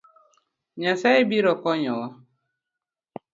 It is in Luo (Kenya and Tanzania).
Nyasaye biro konyowa